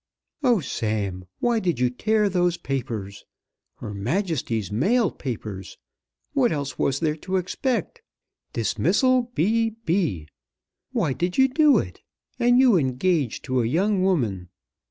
"Oh, Sam, why did you tear those papers; Her Majesty's Mail papers? What else was there to expect? 'Dismissal B. B.;' Why did you do it, and you engaged to a young woman?